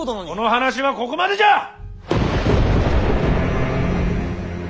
この話はここまでじゃ！